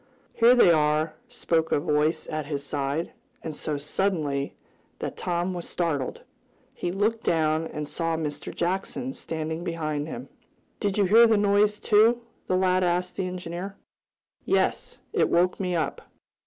"Here they are," spoke a voice at his side, and so suddenly that Tom was startled. He looked down, and saw Mr. Jackson standing beside him. "Did you hear the noise, too?" the lad asked the engineer. "Yes. It woke me up.